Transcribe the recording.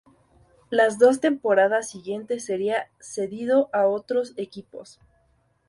Las dos temporadas siguientes sería cedido a otros equipos.